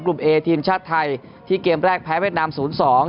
กลุ่มเอทีมชาติไทยที่เกมแรกแพ้แม่งนำศูนย์สอง